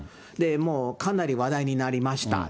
もうかなり話題になりました。